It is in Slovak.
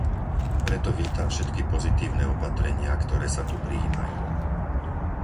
Preto vítam všetky pozitívne opatrenia, ktoré sa tu prijímajú.